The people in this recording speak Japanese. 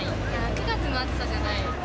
９月の暑さじゃない。